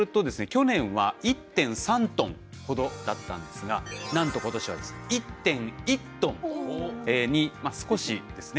去年は１．３トンほどだったんですがなんと今年はですね１．１トンに少しですね